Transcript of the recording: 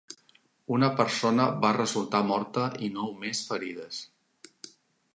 Una persona va resultar morta i nou més ferides.